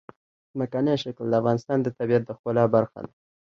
ځمکنی شکل د افغانستان د طبیعت د ښکلا برخه ده.